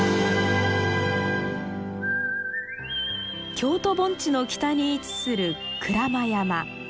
京都盆地の北に位置する鞍馬山。